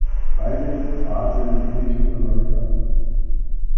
Beide traten nicht erneut an.